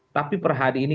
tapi perhadi ini